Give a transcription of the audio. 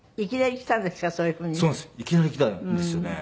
いきなりきたんですか？